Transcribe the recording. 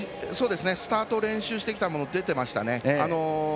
スタートを練習してきたのが出ていましたね。